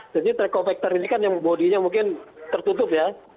jadi truk kompakter ini kan yang bodinya mungkin tertutup ya